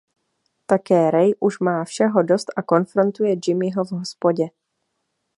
Také Ray už má všeho dost a konfrontuje Jimmyho v hospodě.